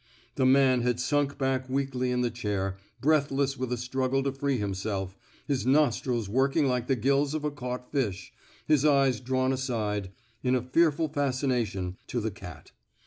The man had sunk back weakly in the chair, breathless with a struggle to free himself, his nostrils working like the gills of a caught fish, his eyes drawn aside, in a fearful fascination, to the cat.